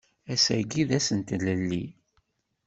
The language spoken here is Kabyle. Ass-agi d ass n tlelli